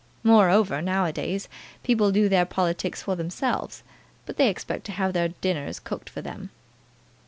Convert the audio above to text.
Moreover, now a days, people do their politics for themselves, but they expect to have their dinners cooked for them."